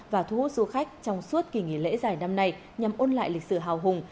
và thu hút du khách trong suốt kỳ nghỉ lễ dài năm nay nhằm ôn lại lịch sử hào hùng